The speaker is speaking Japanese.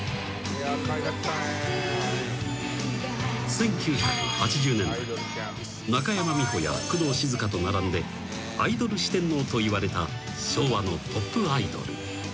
［１９８０年代中山美穂や工藤静香と並んでアイドル四天王といわれた昭和のトップアイドル］